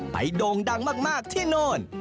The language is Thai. โด่งดังมากที่โน่น